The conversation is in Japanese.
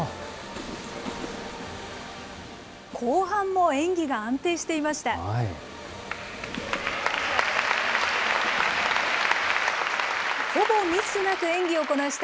後半も演技が安定していました。